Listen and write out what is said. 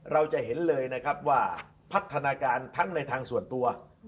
เราจะเห็นเลยนะครับว่าพัฒนาการทั้งในทางส่วนตัว